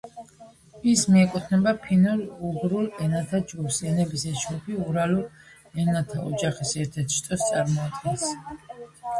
ის მიეკუთვნება ფინურ–უგრულ ენათა ჯგუფს, ენების ეს ჯგუფი ურალურ ენათა ოჯახის ერთ-ერთ შტოს წარმოადგენს.